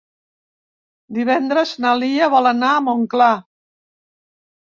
Divendres na Lia vol anar a Montclar.